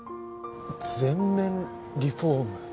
全面リフォーム？